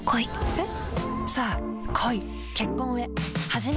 えっ！